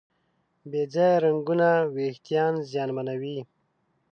بې ځایه رنګونه وېښتيان زیانمنوي.